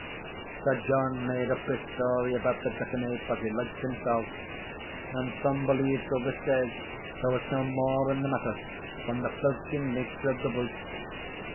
Sir John made up his story about the jackanape as he liked himsell; and some believe till this day there was no more in the matter than the filching nature of the brute.